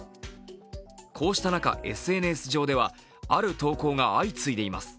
こうした中、ＳＮＳ上ではある投稿が相次いでいます。